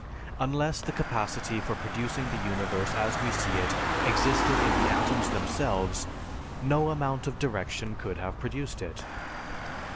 Unless the capacity for producing the universe as we see it existed in the atoms themselves, no amount of direction could have produced it.